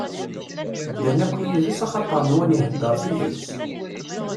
Ddan akk yid-s axaṭer nwan iheddeṛ tidett.